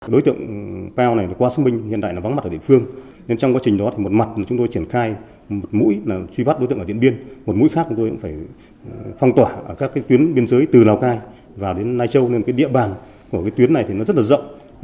đối tượng pao này qua xác minh hiện tại là vắng mặt ở địa phương nên trong quá trình đó thì một mặt chúng tôi triển khai một mũi là truy bắt đối tượng ở điện biên một mũi khác chúng tôi cũng phải phong tỏa ở các tuyến biên giới từ lào cai vào đến lai châu lên địa bàn của tuyến này thì nó rất là rộng